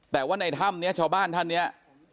แต่ว่าในถ้ำนี้ชาวบ้านท่านเนี่ย